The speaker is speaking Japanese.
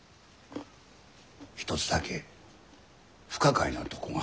一つだけ不可解なとこが。